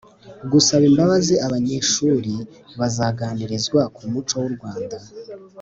Gusaba imbabazi Abanyeshuri bazaganirizwa ku muco w’u Rwanda